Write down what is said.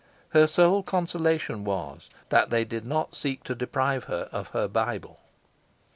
Her sole consolation was, that they did not seek to deprive her of her Bible.